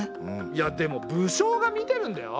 いやでも武将が見てるんだよ。